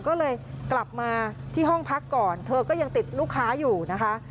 ก็เลยกลับมาที่ห้องพักก่อนเธอก็ยังติดลูกค้าอยู่นะคะ